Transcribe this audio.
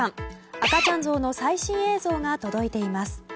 赤ちゃんゾウの最新映像が届いています。